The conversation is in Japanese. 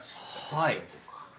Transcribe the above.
はい。